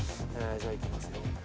じゃあいきますよ。